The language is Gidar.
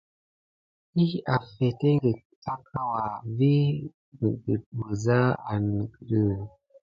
Ɗiy afeteŋgək akawa wi negudick wusa kan nikidi.